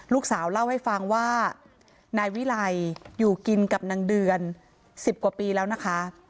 ลูกสาวเล่าให้ฟังว่านายวิไลอยู่กินกับนางเดือน๑๐กว่าปีแล้วนะคะ